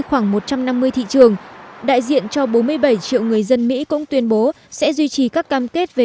khoảng một trăm năm mươi thị trường đại diện cho bốn mươi bảy triệu người dân mỹ cũng tuyên bố sẽ duy trì các cam kết về